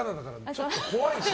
ちょっと怖いし。